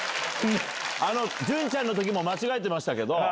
潤ちゃんの時も間違えてましたけど。